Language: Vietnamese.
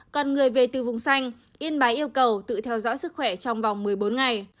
còn người về từ vùng xanh yên bái yêu cầu tự theo dõi sức khỏe trong vòng một mươi bốn ngày